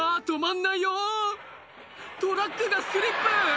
「トラックがスリップ！